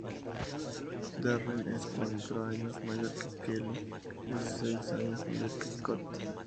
Darren es cuatro años mayor y Kelly es seis años mayor que Scott.